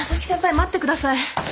待ってください。